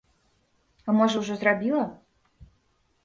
А можа, ужо зрабіла?